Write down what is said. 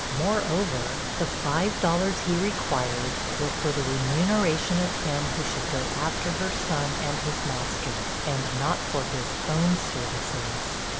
Moreover, the five dollars he required were for the remuneration of him who should go after her son and his master, and not for his own services.